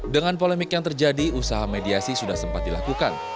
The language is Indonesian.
dengan polemik yang terjadi usaha mediasi sudah sempat dilakukan